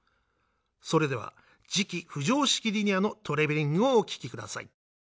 それでは磁気浮上式リニアのトレベリンをお聴きください。